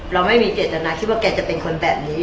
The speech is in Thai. เราไม่มีเจตนาคิดว่าแกจะเป็นคนแบบนี้